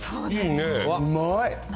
うまい。